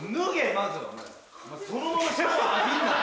まずそのままシャワー浴びんな。